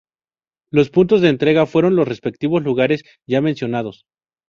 Los puntos de entrega fueron los respectivos lugares ya mencionados.